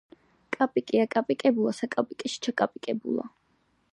კაპიკი აკაპიკებულა საკაპეში, ჩაკაპიკებულა